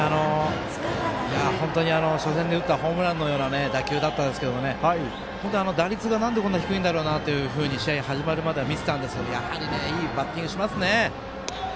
本当に初戦で打ったホームランのような打球だったんですけど打率がなんでこんなに低いんだろうなと試合、始まる前は見てたんですけどいいバッティングしますね。